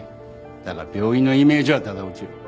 だが病院のイメージはだだ落ちる。